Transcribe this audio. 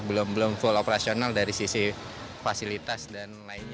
belum belum full operasional dari sisi fasilitas dan lainnya